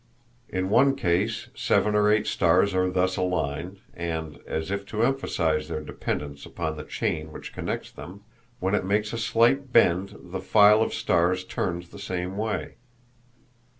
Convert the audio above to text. In one case seven or eight stars are thus aligned, and, as if to emphasize their dependence upon the chain which connects them, when it makes a slight bend the file of stars turns the same way.